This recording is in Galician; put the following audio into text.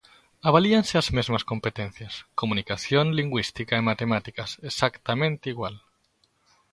Avalíanse as mesmas competencias: comunicación lingüística e matemáticas; exactamente igual.